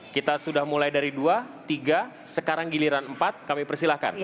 kita sudah mulai dari dua tiga sekarang giliran empat kami persilahkan